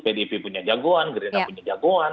pdp punya jagoan gerina punya jagoan